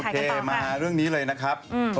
เคมาเรื่องนี้เลยนะครับ